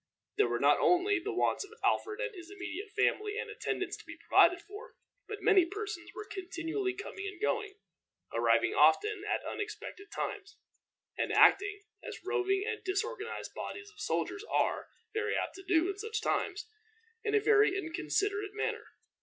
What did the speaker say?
There were not only the wants of Alfred and his immediate family and attendants to be provided for, but many persons were continually coming and going, arriving often at unexpected times, and acting, as roving and disorganized bodies of soldiers are very apt to do at such times, in a very inconsiderate manner.